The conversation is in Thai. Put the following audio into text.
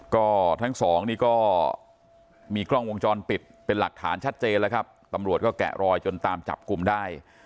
ก็ทั้งสองนี่ก็มีกล้องวงจรปิดเป็นหลักฐานชัดเจนแล้วครับตำรวจก็แกะรอยจนตามจับกลุ่มได้